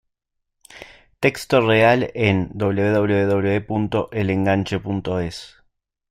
Texto real en www.elenganche.es